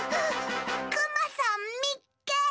クマさんみっけ！